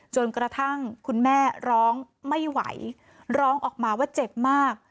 จนกระทั่งคุณแม่ร้องไม่ไหวร้องออกมาว่าเจ็บมาก